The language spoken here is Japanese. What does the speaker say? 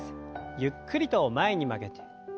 ゆっくりと前に曲げて。